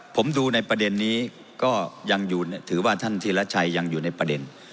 ผมดูในประเด็นนี้ถือว่าท่านธิรชัยยังอยู่ในประเด็น